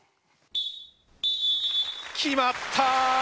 決まった！